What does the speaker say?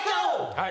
はい。